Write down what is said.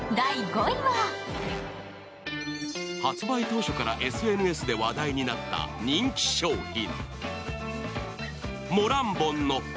発売当初からＳＮＳで話題となった人気商品。